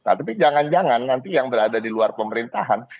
nah tapi jangan jangan nanti yang berada di luar pemerintahan